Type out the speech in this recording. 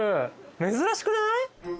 珍しくない？